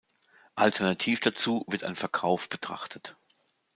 Alternativ dazu wird ein Verkauf betrachtet.